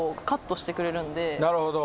なるほど。